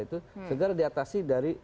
itu segera diatasi dari